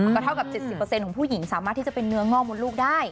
ก็เท่ากับ๗๐ของผู้หญิงสามารถที่จะเป็นเนื้องอกมดลูกได้